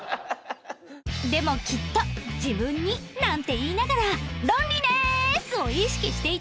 でもきっと「自分に」なんて言いながら「ロンリネース」を意識していたはずよ